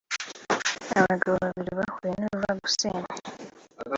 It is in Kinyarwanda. abagabo babiri bahuye n’uruva gusenya